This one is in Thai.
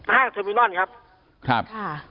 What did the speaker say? ห้างเทอร์เมนอลครับ